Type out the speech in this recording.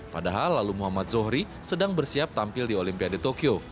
padahal lalu muhammad zohri sedang bersiap tampil di olimpiade tokyo